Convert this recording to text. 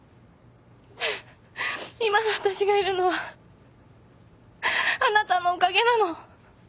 今のわたしがいるのはあなたのおかげなの。